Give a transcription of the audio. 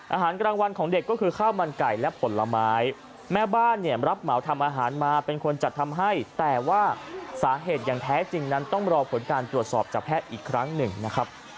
อาหารกลางวันของเด็กก็คือข้าวมันไก่และผลไม้แม่บ้านเนี่ยรับเหมาทำอาหารมาเป็นคนจัดทำให้แต่ว่าสาเหตุอย่างแท้จริงนั้นต้องรอผลการตรวจสอบจากแพทย์อีกครั้งหนึ่งนะครับ